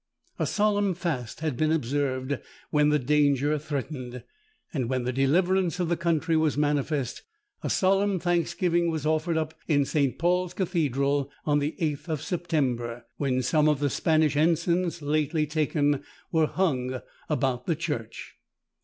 A solemn fast had been observed when the danger threatened; and when the deliverance of the country was manifest, a solemn thanksgiving was offered up in St. Paul's Cathedral on the 8th of September, when some of the Spanish ensigns lately taken were hung about the church.